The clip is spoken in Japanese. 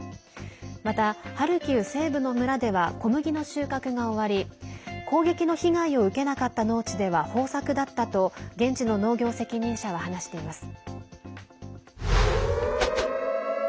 また、ハルキウ西部の村では小麦の収穫が終わり攻撃の被害を受けなかった農地では豊作だったと現地の農業責任者は話しています。